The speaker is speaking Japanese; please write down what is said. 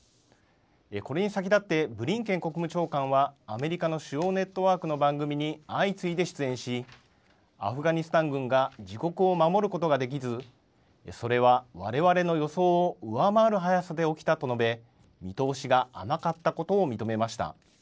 これに先立って、ブリンケン国務長官は、アメリカの主要ネットワークの番組に相次いで出演し、アフガニスタン軍が自国を守ることができず、それはわれわれの予想を上回る速さで起きたと述べ、見通しが甘かったことを認めました。